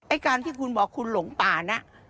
การที่คุณบอกคุณหลงป่าน่ะ